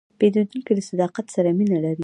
پیرودونکی له صداقت سره مینه لري.